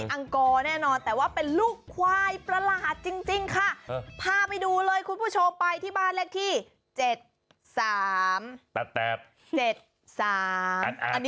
อังกษ์แน่เลยไปดูไปอังกษ์แน่นอน